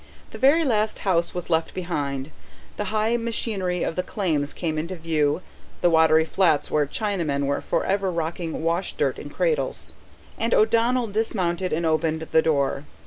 The very last house was left behind, the high machinery of the claims came into view, the watery flats where Chinamen were for ever rocking washdirt in cradles; and O'Donnell dismounted and opened the door.